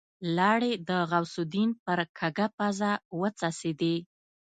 لاړې د غوث الدين پر کږه پزه وڅڅېدې.